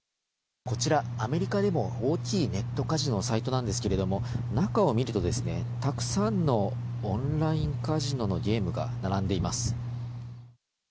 こちらアメリカでも大きいネットカジノのサイトなんですが中を見ると、たくさんのオンラインカジノのゲームが並んでいます。